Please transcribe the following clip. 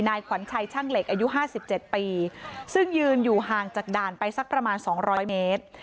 ขวัญชัยช่างเหล็กอายุ๕๗ปีซึ่งยืนอยู่ห่างจากด่านไปสักประมาณ๒๐๐เมตร